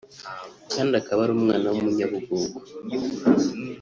kandi akaba ari umwana w’umunyabugugu